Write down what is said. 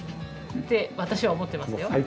って私は思ってますよ。